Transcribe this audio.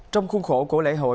trong khuôn khổ của lễ hội